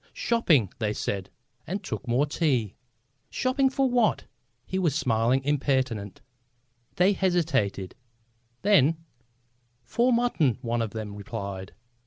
"Shopping," they said, and took more tea. "Shopping, for what?" He was smilingly impertinent. They hesitated. Then: "For mutton," one of them replied.